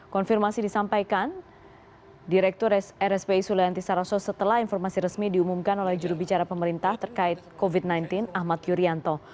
konfirmasi disampaikan direktur rspi sulianti saroso setelah informasi resmi diumumkan oleh jurubicara pemerintah terkait covid sembilan belas ahmad yuryanto